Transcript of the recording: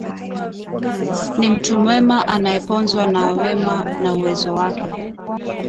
Ni mtu mwema anayeponzwa na wema na uwezo wake